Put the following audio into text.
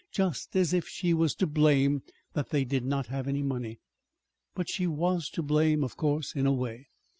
Just as if she was to blame that they did not have any money! But she was to blame, of course, in a way.